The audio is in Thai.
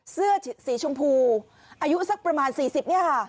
เสื้อสีชมพูอายุสักประมาณ๔๐เนี่ยค่ะ